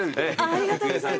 ありがとうございます。